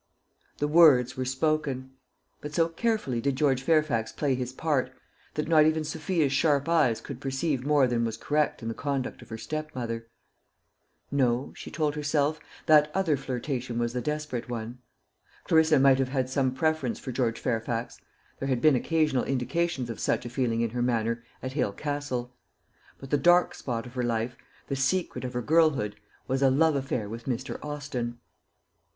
The words were spoken; but so carefully did George Fairfax play his part, that not even Sophia's sharp eyes could perceive more than was correct in the conduct of her stepmother. No, she told herself, that other flirtation was the desperate one. Clarissa might have had some preference for George Fairfax; there had been occasional indications of such a feeling in her manner at Hale Castle; but the dark spot of her life, the secret of her girlhood, was a love affair with Mr. Austin.